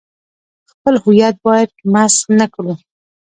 خپل هویت باید مسخ نه کړو.